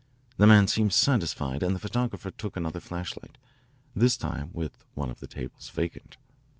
The man seemed satisfied and the photographer took another flashlight, this time with one of the tables vacant.